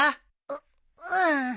うっうん。